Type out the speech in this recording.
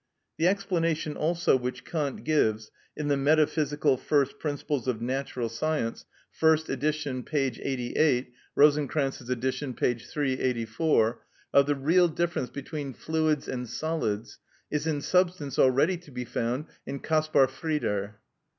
The explanation, also, which Kant gives, in the "Metaphysical First Principles of Natural Science" (first edition, p. 88; Rosenkranz's edition, p. 384), of the real difference between fluids and solids, is in substance already to be found in Kaspar Freidr.